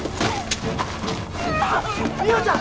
美穂ちゃん！